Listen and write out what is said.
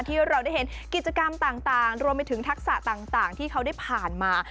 ที่เราได้เห็นกิจกรรมต่างรวมไปถึงทักษะต่างที่เขาได้ผ่านมา